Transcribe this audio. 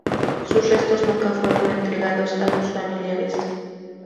Sus restos nunca fueron entregados a su familiares.